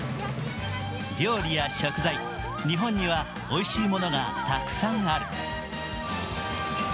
料理や食材、日本にはおいしいものがたくさんある。